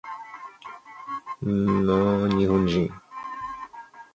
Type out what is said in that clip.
东雪莲是日本人